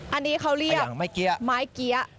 อันนี้เขาเรียกไม้เกี้ย